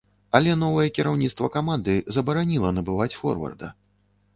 Але новае кіраўніцтва каманды забараніла набываць форварда.